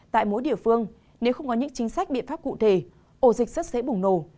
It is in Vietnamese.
tại mỗi địa phương nếu không có những chính sách biện pháp cụ thể ổ dịch rất dễ bùng nổ